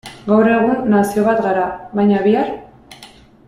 Gaur egun nazio bat gara, baina bihar?